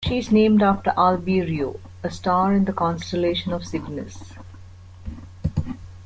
She is named after Albireo, a star in the constellation of Cygnus.